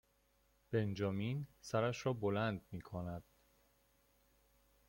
بنجامین سرش را بلند میکند